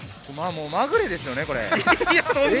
まぐれですよね。